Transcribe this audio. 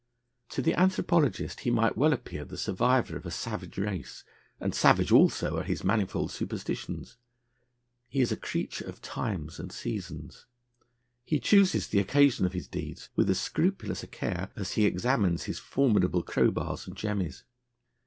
To the anthropologist he might well appear the survival of a savage race, and savage also are his manifold superstitions. He is a creature of times and seasons. He chooses the occasion of his deeds with as scrupulous a care as he examines his formidable crowbars and jemmies.